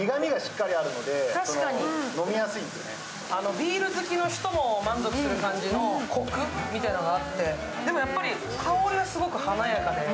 ビール好きの人も満足する感じのコクもあってでも、やっぱり香りはすごく華やかで。